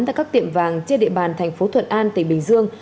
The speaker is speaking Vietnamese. tại các tiệm vàng trên địa bàn thành phố thuận an tỉnh bình dương